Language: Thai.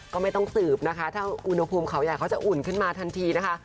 ก็ไม่ต้องสืบนะคะถ้าอุณหภูมิเขาใหญ่เขาจะอุ่นขึ้นมาทันทีนะคะ